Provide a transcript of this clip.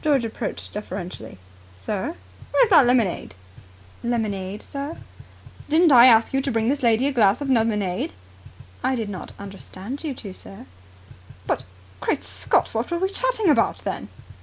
George approached deferentially. "Sir?" "Where's that lemonade?" "Lemonade, sir?" "Didn't I ask you to bring this lady a glass of lemonade?" "I did not understand you to do so, sir." "But, Great Scott! What were we chatting about, then?"